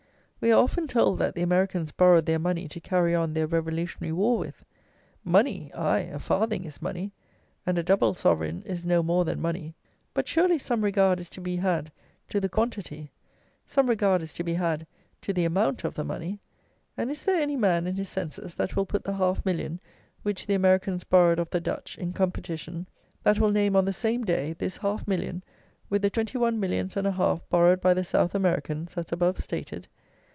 We are often told that the Americans borrowed their money to carry on their Revolutionary war with. Money! Aye; a farthing is money, and a double sovereign is no more than money. But surely some regard is to be had to the quantity; some regard is to be had to the amount of the money; and is there any man in his senses that will put the half million, which the Americans borrowed of the Dutch, in competition, that will name on the same day, this half million, with the twenty one millions and a half borrowed by the South Americans as above stated?